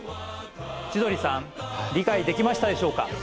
千鳥さん理解できましたでしょうか？